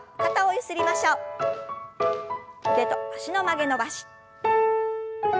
腕と脚の曲げ伸ばし。